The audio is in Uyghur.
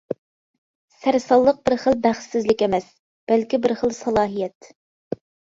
سەرسانلىق بىر خىل بەختسىزلىك ئەمەس، بەلكى بىر خىل سالاھىيەت.